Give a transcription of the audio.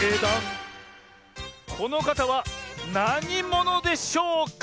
このかたはなにものでしょうか？